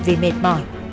vì mệt mỏi